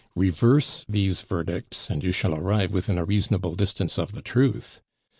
Reverse these verdicts and you shall arrive within a reasonable distance of the truth!